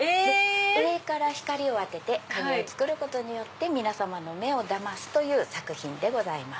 上から光を当てて影を作ることによって皆さまの目をだますという作品でございます。